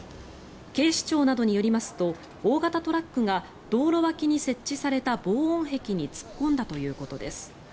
警視庁などによりますと大型トラックが道路脇に設置された防音壁に突っ込んだということです。